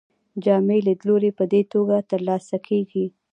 جامع لیدلوری په دې توګه ترلاسه کیږي.